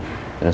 oke dulu lah